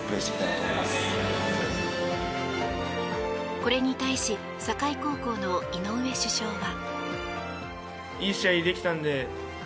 これに対し境高校の井上主将は。